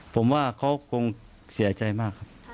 ผมว่าเขาคงเสียใจมากครับ